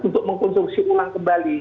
untuk mengkonstruksi ulang kembali